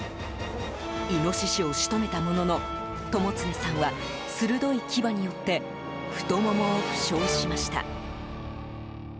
イノシシを仕留めたものの友常さんは鋭い牙によって太ももを負傷しました。